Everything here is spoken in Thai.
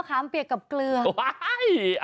อ๋อกับแก้มคือมะขามเปียกกับเกลือ